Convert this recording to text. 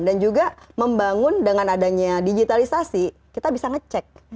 dan juga membangun dengan adanya digitalisasi kita bisa ngecek